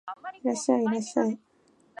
いらっしゃい、いらっしゃい